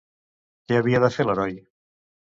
Què havia de fer l'heroi?